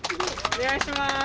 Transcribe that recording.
お願いします！